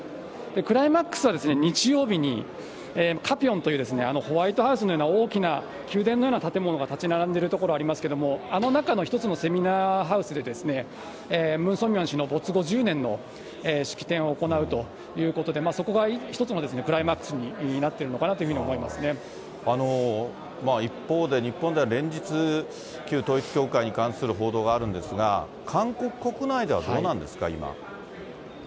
クライマックスは日曜日に、パピヨンというホワイトハウスのような大きな宮殿のような建物が建ち並んでいる所ありますけれども、あの中の一つのセミナーハウスで、ムン・ソンミョン氏の没後１０年の式典を行うということで、そこが一つのクライマックスになっているのかなというふうに思います一方で、日本では連日、旧統一教会に関する報道があるんですが、韓国国内ではどうなんですか